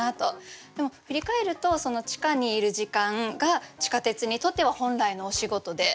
でも振り返るとその地下にいる時間が地下鉄にとっては本来のお仕事で。